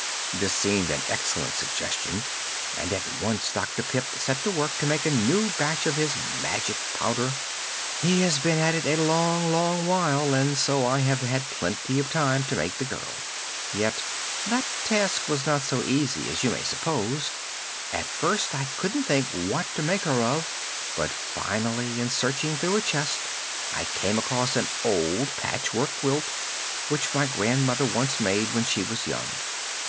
This seemed an excellent suggestion and at once Dr. Pipt set to work to make a new batch of his magic powder. He has been at it a long, long while, and so I have had plenty of time to make the girl. Yet that task was not so easy as you may suppose. At first I couldn't think what to make her of, but finally in searching through a chest I came across an old patchwork quilt, which my grandmother once made when she was young."